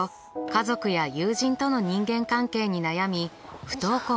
家族や友人との人間関係に悩み不登校に。